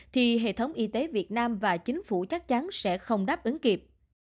thì hệ thống y tế việt nam và chính phủ chắc chắn sẽ không đáp ứng kịp